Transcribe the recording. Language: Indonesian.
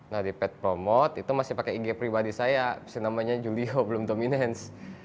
nah di pet promote itu masih pakai ig pribadi saya namanya juliho belum dominans